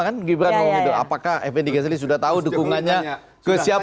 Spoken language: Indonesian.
gimana pak gibran ngomong gitu apakah fndg selis sudah tahu dukungannya ke siapa